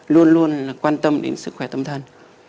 luôn luôn quan tâm đến sức khỏe tâm thần